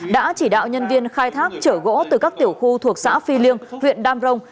đã chỉ đạo nhân viên khai thác trở gỗ từ các tiểu khu thuộc xã phi liêng huyện đam rồng